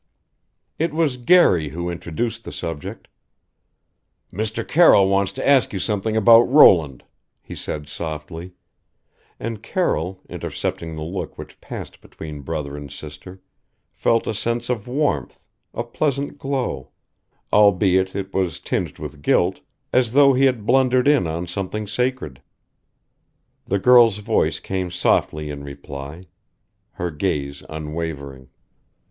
It was Garry who introduced the subject. "Mr. Carroll wants to ask you something about Roland," he said softly and Carroll, intercepting the look which passed between brother and sister, felt a sense of warmth a pleasant glow; albeit it was tinged with guilt as though he had blundered in on something sacred. The girl's voice came softly in reply: her gaze unwavering.